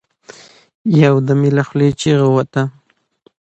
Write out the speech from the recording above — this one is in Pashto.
يو دم يې له خولې چيغه ووته.